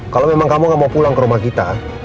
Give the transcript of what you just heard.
kalau memang kamu nggak mau pulang ke rumah kita